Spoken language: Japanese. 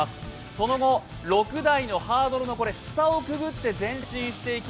その後、６台のハードルの下をくぐって前進していき